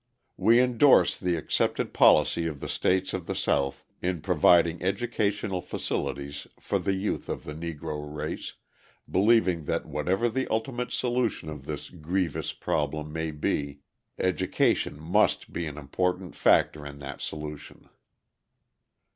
We endorse the accepted policy of the states of the South in providing educational facilities for the youth of the Negro race, believing that whatever the ultimate solution of this grievous problem may be, education must be an important factor in that solution.